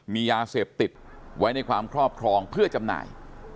มียาเสพติดไว้ในความครอบครองเพื่อจำหน่าย